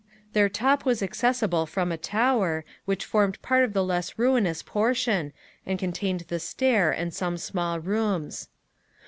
Their top was accessible from a tower, which formed part of the less ruinous portion, and contained the stair and some small rooms.